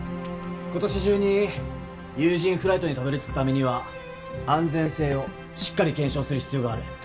今年中に有人フライトにたどりつくためには安全性をしっかり検証する必要がある。